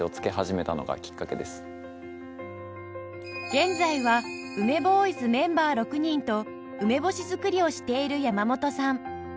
現在は梅ボーイズメンバー６人と梅干し作りをしている山本さん